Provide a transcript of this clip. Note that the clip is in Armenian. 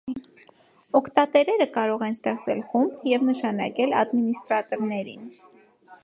Օգտատերերը կարող են ստեղծել խումբ և նշանակել ադմինիստրատորներին։